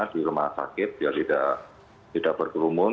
di rumah sakit dia tidak berkerumun